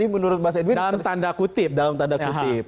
menurut mas edwin dalam tanda kutip